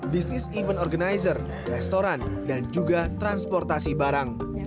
bisnis event organizer restoran dan juga transportasi barang